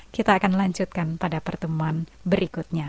kita akan lanjutkan pada pertemuan berikutnya